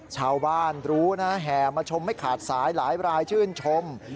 ชาวบ้านรู้นะแห่มาชมไม่ขาดสายหลายรายชื่นชม